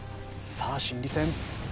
さあ心理戦。